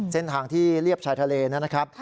เส้นทางที่เรียบชายทะเลนะครับ